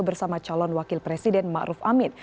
bersama calon wakil presiden ma'ruf amin